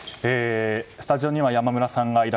スタジオには山村さんです。